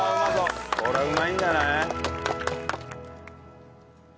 こりゃうまいんじゃない？